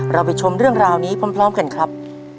เราไปชมเรื่องราวนี้พร้อมกันครับ